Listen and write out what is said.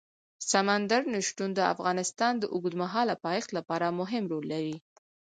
سمندر نه شتون د افغانستان د اوږدمهاله پایښت لپاره مهم رول لري.